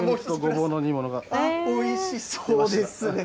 おいしそうですね。